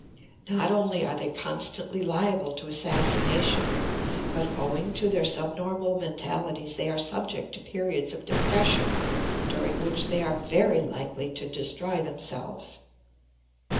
Not only are they constantly liable to assassination but, owing to their subnormal mentalities, they are subject to periods of depression during which they are very likely to destroy themselves."